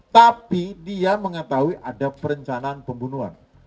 tapi dia mengetahui ada perencanaan pembunuhan